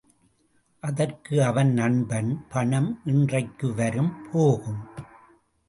அதற்கு அவன் நண்பன் பணம் இன்றைக்கு வரும் போகும்.